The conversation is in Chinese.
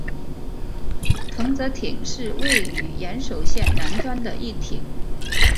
藤泽町是位于岩手县南端的一町。